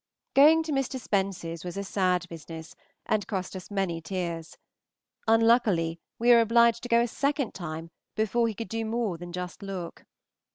Going to Mr. Spence's was a sad business, and cost us many tears; unluckily we were obliged to go a second time before he could do more than just look.